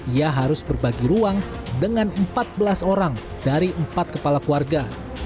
ia harus berbagi ruang dengan empat belas orang dari empat kepala keluarga